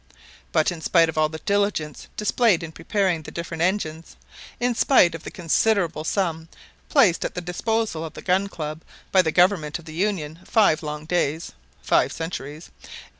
But in spite of all the diligence displayed in preparing the different engines, in spite of the considerable sum placed at the disposal of the Gun Club by the Government of the Union, five long days (five centuries!)